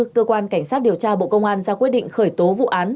cơ quan cảnh sát điều tra bộ công an ra quyết định khởi tố vụ án